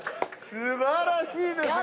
素晴らしいですね。